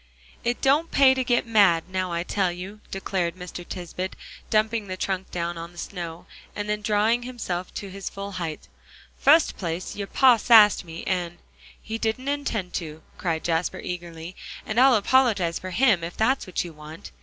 "It don't pay to get mad, now I tell you," declared Mr. Tisbett, dumping the trunk down on the snow, and then drawing himself to his full height; "fust place, your pa sassed me, and" "He didn't intend to," cried Jasper eagerly, "and I'll apologize for him, if that's what you want."